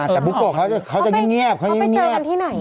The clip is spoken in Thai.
แต่พุกโกะเขาจะเงียบเขาไปเจอกันที่ไหน